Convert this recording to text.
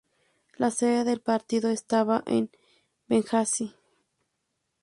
La sede del partido estaba en Bengasi.